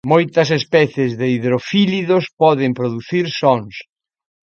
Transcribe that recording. Moitas especies de hidrofílidos poden producir sons.